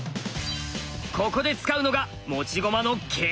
ここで使うのが持ち駒の桂馬！